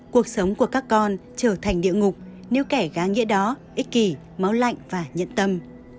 cuộc sống của các con trở thành địa ngục nếu kẻ gá nghĩa đó ích kỳ máu lạnh và nhận tâm